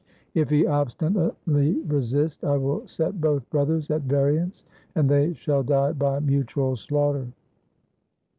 If he obstinately resist, I will set both brothers at variance, and they shall die by mutual slaughter.